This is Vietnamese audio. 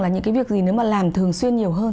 là những cái việc gì nếu mà làm thường xuyên nhiều hơn